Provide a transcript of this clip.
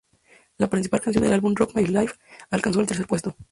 La principal canción del álbum "Rock My Life" alcanzó el tercer puesto.